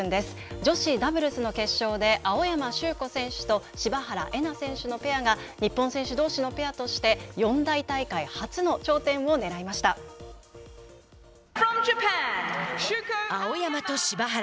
女子ダブルスの決勝で青山修子選手と柴原瑛菜選手のペアで日本選手どうしのペアとして四大大会初の頂点を青山と柴原。